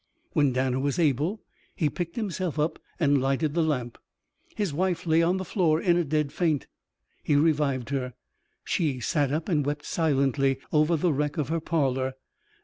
When Danner was able, he picked himself up and lighted the lamp. His wife lay on the floor in a dead faint. He revived her. She sat up and wept silently over the wreck of her parlour.